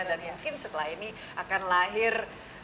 dan mungkin setelah ini akan lahir